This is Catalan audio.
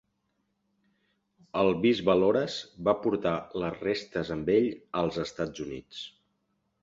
El bisbe Loras va portar les restes amb ell als Estats Units.